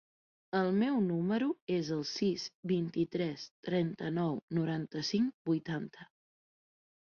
El meu número es el sis, vint-i-tres, trenta-nou, noranta-cinc, vuitanta.